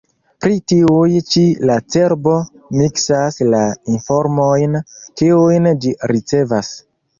Pri tiuj ĉi la cerbo miksas la informojn, kiujn ĝi ricevas.